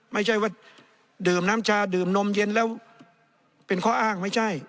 ไม่ใช่ว่าดื่มน้ำชาดื่มนมเย็นแล้วเป็นข้ออ้างไม่ใช่